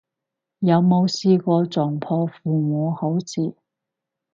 有冇試過撞破父母好事